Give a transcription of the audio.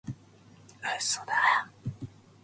私は男ですよ